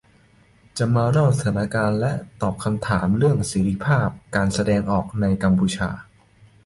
จะมาเล่าสถานการณ์และตอบคำถามเรื่องเสรีภาพการแสดงออกในกัมพูชา